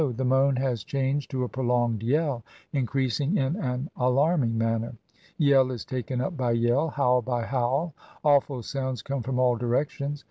the moan has changed to a prolonged yell, increas ing in an alarming manner. Yell is taken up by yell, howl by howl. Awful sounds come from all directions.